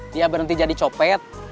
dia berhenti jadi copet